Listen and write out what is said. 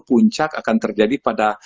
puncak akan terjadi pada